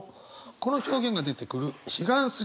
この表現が出てくる「彼岸過迄」。